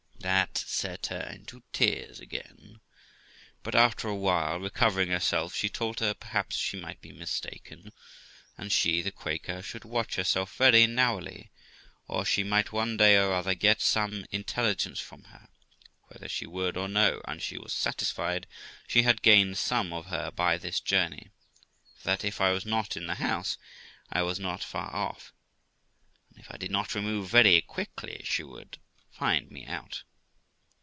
That set her into tears again; but after a while, recovering herself, she told her perhaps she might be mistaken; and she (the Quaker) should watch herself very narrowly, or she might one time or other get some intelligence from her, whether she would or no ; and she was satisfied she had gained some of her by this journey, for that if I was not in the house, I was not far off; and if I did not remove very quickly, she would find me out.